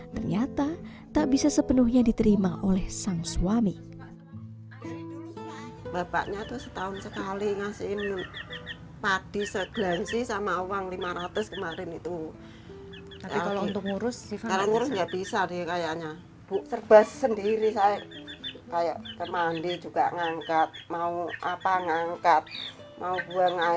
ternyata tak bisa sepenuhnya diterima oleh sang suami